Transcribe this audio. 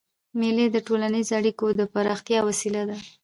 مېلې د ټولنیزو اړیکو د پراختیا وسیله ده.